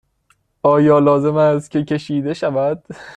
آیا لازم است که کشیده شود؟